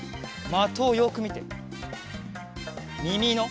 まとをよくみて。